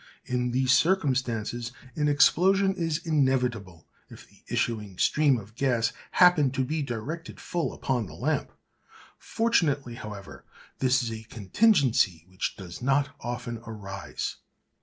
In these circumstances an explosion is inevitable, if the issuing stream of gas happen to be directed full upon the lamp. Fortunately, however, this is a contingency which does not often arise.